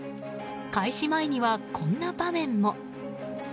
開始前には、こんな場面も。